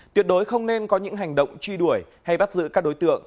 tuyệt đối không nên có những hành động truy đuổi hay bắt giữ các đối tượng